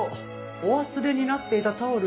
お忘れになっていたタオル